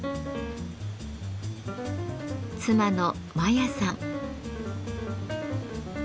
妻の麿矢さん。